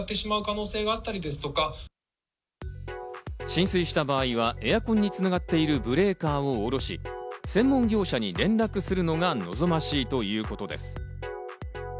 浸水した場合はエアコンにつながっているブレーカーを落とし、専門業者に連絡するのが望ましいということです。